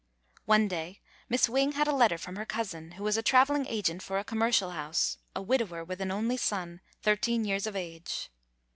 One day Miss Wing had a letter from her cousin, who was a traveling agent for a com mercial house; a widower with an only son, thirteen years of age.